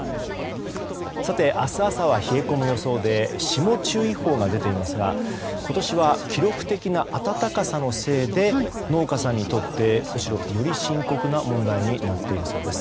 明日朝は冷え込む予想で霜注意報が出ていますが今年は記録的な暖かさのせいで農家さんにとってむしろより深刻な問題になっているそうです。